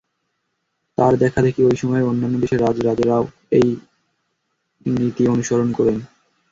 তার দেখাদেখি ঐ সময়ে অন্যান্য দেশের রাজরাজড়ারা-ও এই নীতি অনুসরণ করেন।